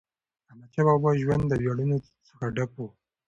د احمدشاه بابا ژوند د ویاړونو څخه ډک و.